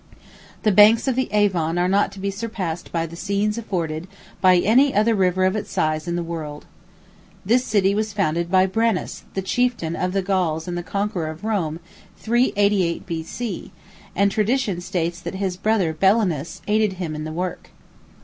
The banks of the Avon are not to be surpassed by the scenes afforded by any other river of its size in the world. This city was founded by Brennus, the chieftain of the Gauls and the conqueror of Rome, 388 B.C., and tradition states that his brother Belinus aided him in the work.